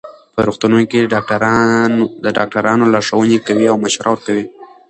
په روغتونونو کې ډاکټران لارښوونې کوي او مشوره ورکوي.